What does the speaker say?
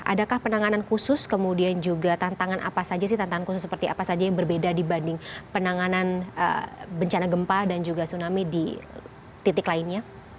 adakah penanganan khusus kemudian juga tantangan apa saja sih tantangan khusus seperti apa saja yang berbeda dibanding penanganan bencana gempa dan juga tsunami di titik lainnya